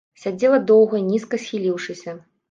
Сядзела доўга, нізка схіліўшыся.